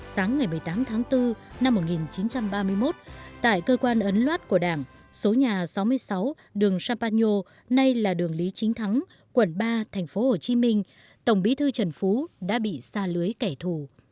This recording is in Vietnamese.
sáng ngày một mươi tám tháng bốn năm một nghìn chín trăm ba mươi một tại cơ quan ấn loát của đảng số nhà sáu mươi sáu đường champagno nay là đường lý chính thắng quận ba thành phố hồ chí minh tổng bí thư trần phú đã bị xa lưới kẻ thù